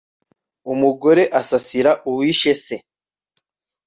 umugore asasira uwishe se